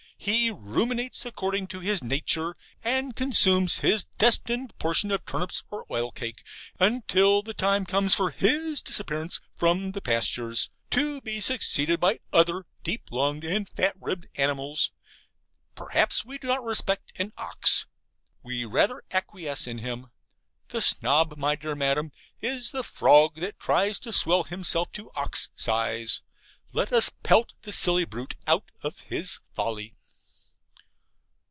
He ruminates according to his nature, and consumes his destined portion of turnips or oilcake, until the time comes for his disappearance from the pastures, to be succeeded by other deep lunged and fat ribbed animals. Perhaps we do not respect an ox. We rather acquiesce in him. The Snob, my dear Madam, is the Frog that tries to swell himself to ox size. Let us pelt the silly brute out of his folly.